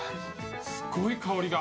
すごい、香りが。